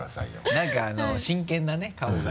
何か真剣なね顔が。